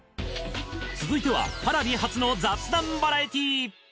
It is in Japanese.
続いてはＰａｒａｖｉ発の雑談バラエティ。